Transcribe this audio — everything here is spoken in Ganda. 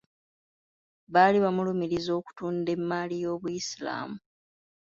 Baali bamulumiriza okutunda emmaali y'Obusiraamu.